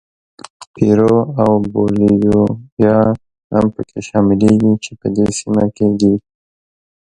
پیرو او بولیویا هم پکې شاملېږي چې په دې سیمو کې دي.